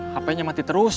hp nya mati terus